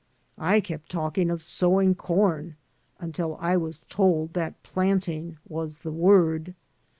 I kept talking of sowing com until I was told that ""planting" was the word.